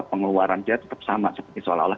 pengeluaran dia tetap sama seperti seolah olah